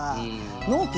納期